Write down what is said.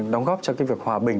đóng góp cho cái việc hòa bình